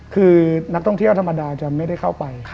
คือนักท่องเที่ยวธรรมดาจะไม่ได้เข้าไป